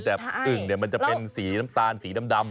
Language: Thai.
แต่อึ่งมันจะเป็นสีน้ำตาลสีดำ